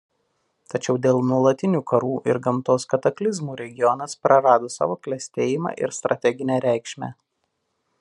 Tačiau dėl nuolatinių karų ir gamtos kataklizmų regionas prarado savo klestėjimą ir strateginę reikšmę.